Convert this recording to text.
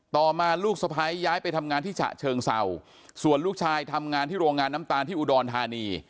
ต่อมาลูกสะพ้ายย้ายไปทำงานที่ฉะเชิงเศร้าส่วนลูกชายทำงานที่โรงงานน้ำตาลที่อุดรธานี